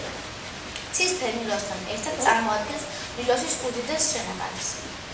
ცისფერ ნილოსთან ერთად წარმოადგენს ნილოსის უდიდეს შენაკადს.